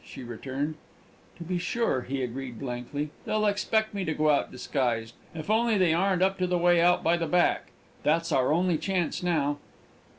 she returned. "To be sure," he agreed blankly, "they'll expect me to go out disguised. If only they aren't up to the way out by the back! That's our only chance now."